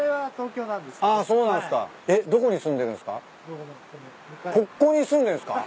ここに住んでるんすか？